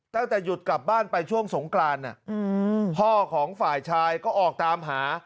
ตั้งแต่หยุดกลับบ้านไปช่วงสงกรานพ่อของฝ่ายชายก็ออกตามหา